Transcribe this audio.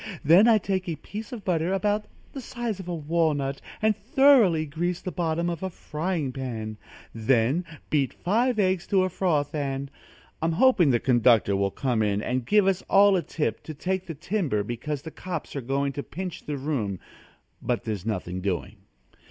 Then I take a piece of butter about the size of a walnut, and thoroughly grease the bottom of a frying pan; then beat five eggs to a froth, and " I'm hoping the conductor will come in and give us all a tip to take to the timber because the cops are going to pinch the room, but there's nothing doing.